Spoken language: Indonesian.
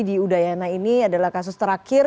di udayana ini adalah kasus terakhir